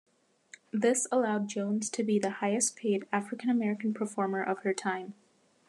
This allowed Jones to be the highest paid African American performer of her time.